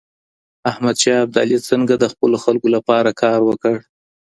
احمد شاه ابدالي څنګه د خپلو خلګو لپاره کار وکړ؟